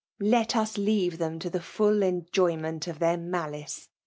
Let us leave them to the full enjoyment of their malice.